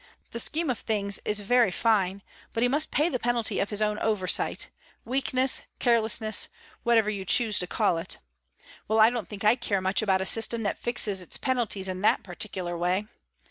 The scheme of things is very fine, but he must pay the penalty of his own oversight, weakness carelessness whatever you choose to call it. Well, I don't think I care much about a system that fixes its penalties in that particular way.